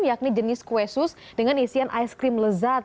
yakni jenis kuesus dengan isian ice cream lezat